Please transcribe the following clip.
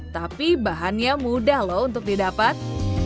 tapi bahannya mudah loh untuk didapat